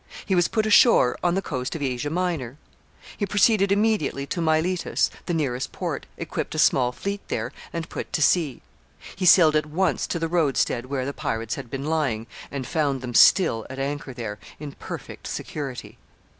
He was put ashore on the coast of Asia Minor. He proceeded immediately to Miletus, the nearest port, equipped a small fleet there, and put to sea. He sailed at once to the roadstead where the pirates had been lying, and found them still at anchor there, in perfect security.